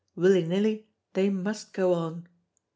Willy nilly they must go on.